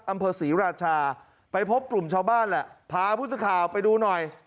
อำเภอศรีราชาไปพบกลุ่มชาวบ้านแหละพาผู้สื่อข่าวไปดูหน่อย